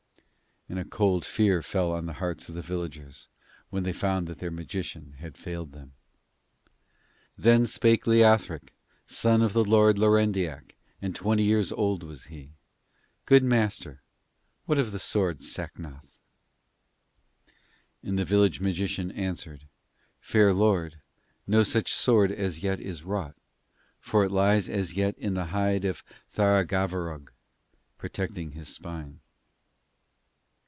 And a cold fear fell on the hearts of the villagers when they found that their magician had failed them. Then spake Leothric, son of the Lord Lorendiac, and twenty years old was he: 'Good Master, what of the sword Sacnoth?' And the village magician answered: 'Fair Lord, no such sword as yet is wrought, for it lies as yet in the hide of Tharagavverug, protecting his spine.'